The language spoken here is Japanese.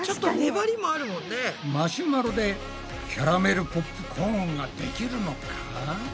マシュマロでキャラメルポップコーンができるのか？